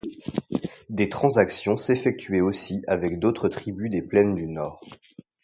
Des transactions s'effectuaient aussi avec d'autres tribus des plaines du nord.